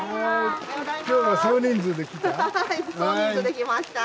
今日は少人数で来た？